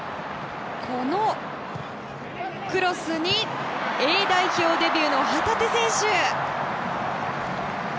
このクロスにＡ代表デビューの旗手選手。